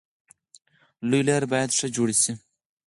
لویې لارې باید ښه جوړې شي.